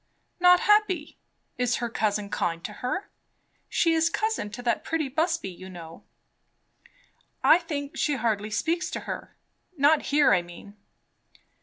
"Not happy! Is her cousin kind to her? She is cousin to that pretty Busby, you know." "I think she hardly speaks to her. Not here, I mean."